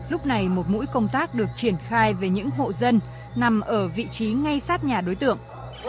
lúc này một mũi công tác được triển khai về những hộ dân nằm ở vị trí ngay sát nhà đối tượng